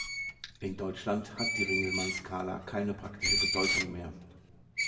In Deutschland hat die Ringelmann-Skala keine praktische Bedeutung mehr.